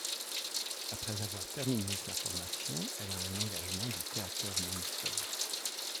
Après avoir terminé sa formation, elle a un engagement du Theater Münster.